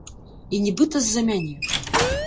І нібыта з-за мяне.